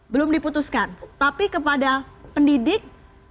belum diputuskan tapi kepada pendidik